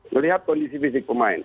melihat kondisi fisik pemain